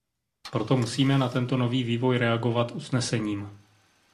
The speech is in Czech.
Proto musíme na tento nový vývoj reagovat usnesením.